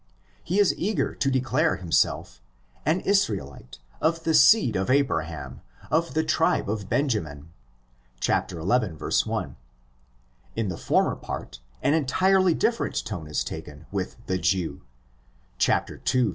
He is eager to declare himself ''an Israelite, of the seed of Abraham, of the tribe of Benjamin" (xi.1). In the former part an entirely different tone is taken with the '' Jew"' (ii.